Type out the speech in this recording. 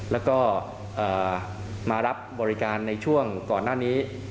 แล้วก็มารับบริการในช่วงก่อนหน้านี้